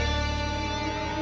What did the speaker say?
oke sampai jumpa